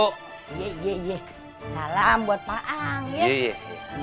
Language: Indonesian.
salam buat pak ang